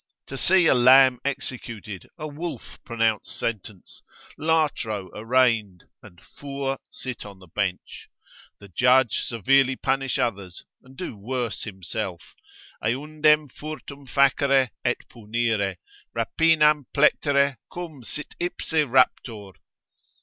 to see a lamb executed, a wolf pronounce sentence, latro arraigned, and fur sit on the bench, the judge severely punish others, and do worse himself, cundem furtum facere et punire, rapinam plectere, quum sit ipse raptor?